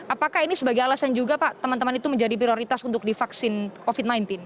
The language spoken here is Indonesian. apakah ini sebagai alasan juga pak teman teman itu menjadi prioritas untuk divaksin covid sembilan belas